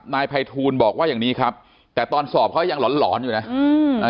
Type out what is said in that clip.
นายไภทูลบอกว่าอย่างนี้ครับแต่ตอนสอบเขายังหลอนอยู่นะ